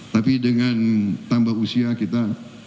tapi dengan tambah usia kita